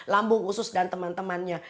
lambung usus dan teman temannya